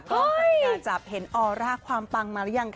ใครอยากจะเห็นออร่าความปังมาหรือยังคะ